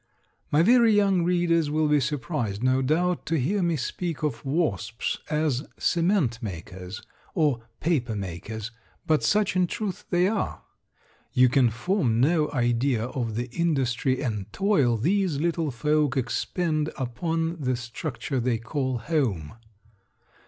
My very young readers will be surprised, no doubt, to hear me speak of wasps as cement makers, or paper makers, but such, in truth, they are. You can form no idea of the industry and toil these little folk expend upon the structure they call home.